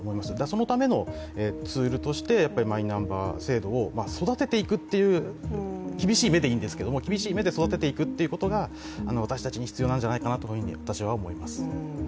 そのためのツールとしてマイナンバー制度を厳しい目で育てていくということが私たちに必要なんじゃないかと私は思います。